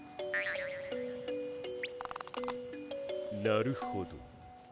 なるほど。